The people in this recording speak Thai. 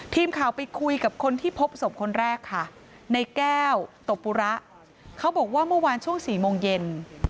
ทีมข่าวไปคุยกับคนที่พบศพคนแรกค่ะในแก้วตบปุระเขาบอกว่าเมื่อวานช่วง๔โมงเย็น